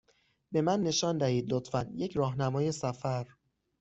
به من نشان دهید، لطفا، یک راهنمای سفر.